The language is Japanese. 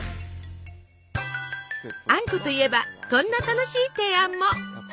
あんこといえばこんな楽しい提案も。